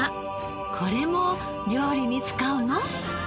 これも料理に使うの？